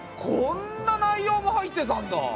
こんな内容も入ってたんだ。